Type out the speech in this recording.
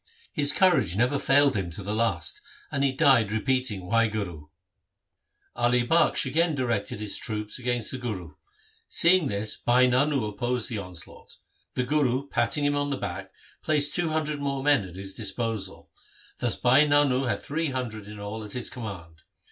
His courage never failed him to the last, and he died repeating ' Wahguru !' Ali Bakhsh again directed his troops against the Guru. Seeing this Bhai Nano opposed the onslaught. The Guru, patting him on the back, placed two hundred more men at his disposal. Thus Bhai Nano had three hundred in all at his command.